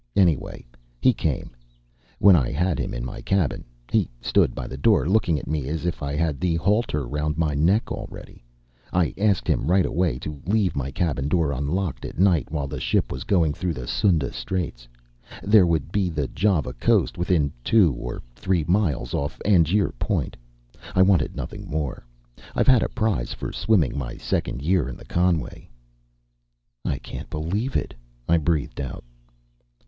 Anyway, he came. When I had him in my cabin he stood by the door looking at me as if I had the halter round my neck already I asked him right away to leave my cabin door unlocked at night while the ship was going through Sunda Straits. There would be the Java coast within two or three miles, off Angier Point. I wanted nothing more. I've had a prize for swimming my second year in the Conway." "I can believe it," I breathed out.